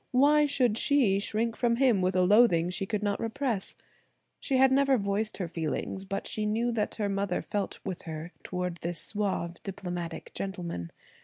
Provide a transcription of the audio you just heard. Why should she shrink from him with a loathing she could not repress? She had never voiced her feelings but she knew that her mother felt with her toward this suave, diplomatic gentleman.